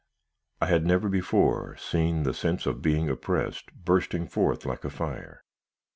"I had never before seen the sense of being oppressed, bursting forth like a fire.